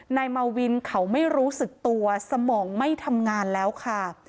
นายมาวินเขาไม่รู้สึกตัวสมองไม่ทำงานแล้วค่ะ